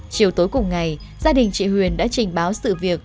chiều tối cùng ngày gia đình chị huyền đã trình báo sự việc